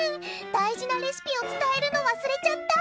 大事なレシピを伝えるの忘れちゃった！